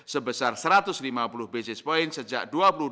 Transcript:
sebesar satu ratus lima puluh basis point sejak dua ribu dua puluh